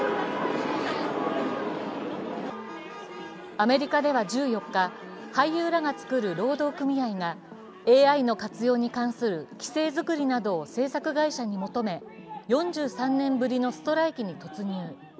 アメリカでは１４日、俳優らが作る労働組合がＡＩの活用に関する規制作りなどを制作会社に求め４３年ぶりのストライキに突入。